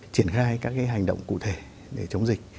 triển khai các cái hành động cụ thể để chống dịch